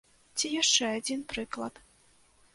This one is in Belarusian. Ці яшчэ адзін прыклад.